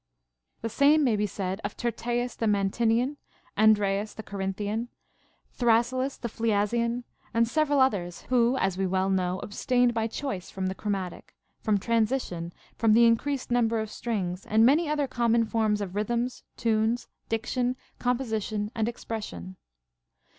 21. The same may be said of Tyrtaeus the Mantinean, Andreas the Corinthian, Thrasyllus the Phliasian, and several others, who, as we well know, abstained by choice from the chromatic, from transition, from the increased number of strings, and many other common forms of rhythms, tunes, diction, composition, and expression.